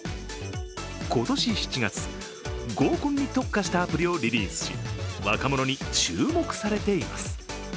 今年７月、合コンに特化したアプリをリリースし、若者に注目されています。